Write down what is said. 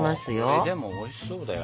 これでもおいしそうだよ。